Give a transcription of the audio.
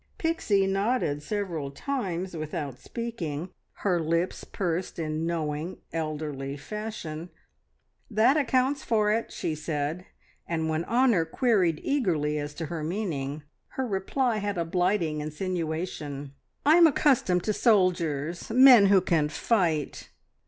Pixie nodded several times without speaking, her lips pursed in knowing, elderly fashion. "That accounts for it," she said, and when Honor queried eagerly as to her meaning, her reply had a blighting insinuation. "I'm accustomed to soldiers men who can fight."